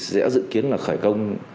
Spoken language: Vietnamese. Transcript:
sẽ dự kiến là khởi công